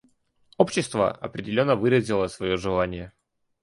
Общество определенно выразило свое желание.